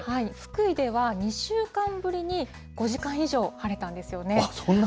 福井では２週間ぶりに５時間以上晴れたんですよね。